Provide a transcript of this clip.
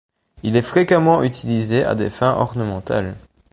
Il est fréquemment utilisé à des fins ornementales.